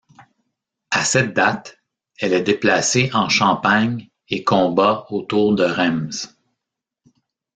À cette date, elle est déplacée en Champagne et combat autour de Reims.